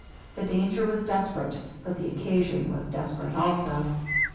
The danger was desperate, but the occasion was desperate also.